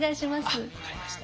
あっ分かりました。